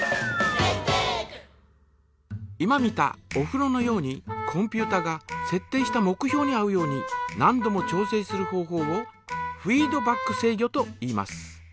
今見たおふろのようにコンピュータがせっ定した目標に合うように何度も調整する方法をフィードバック制御といいます。